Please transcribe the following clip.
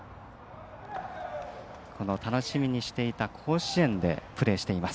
楽しみにしていた甲子園でプレーしています。